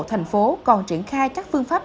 thành phố còn triển khai các phương pháp